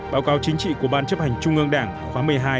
báo cáo chính trị của ban chấp hành trung ương đảng khóa một mươi hai